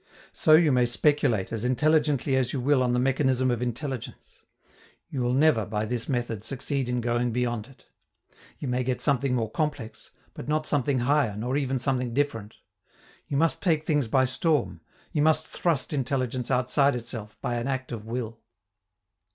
So you may speculate as intelligently as you will on the mechanism of intelligence; you will never, by this method, succeed in going beyond it. You may get something more complex, but not something higher nor even something different. You must take things by storm: you must thrust intelligence outside itself by an act of will.